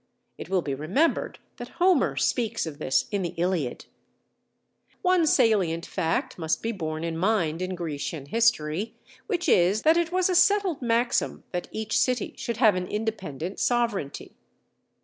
It will be remembered that Homer speaks of this in the Iliad. One salient fact must be borne in mind in Grecian history, which is that it was a settled maxim that each city should have an independent sovereignty.